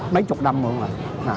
mấy chục năm luôn rồi